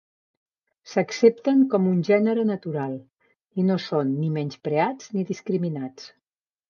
S'accepten com un gènere natural, i no són ni menyspreats ni discriminats.